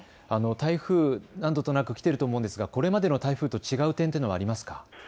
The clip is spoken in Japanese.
台風、何度となく来ていると思うんですがこれまでの台風と違う点もありますか。